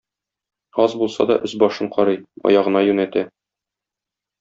Аз булса да өс-башын карый, аягына юнәтә.